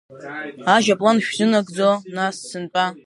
Ажь аплан шәзынагӡо, нас, сынтәа?